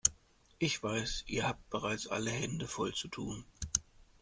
Ich weiß, ihr habt bereits alle Hände voll zu tun.